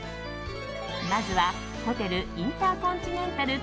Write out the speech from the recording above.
まずはホテルインターコンチネンタル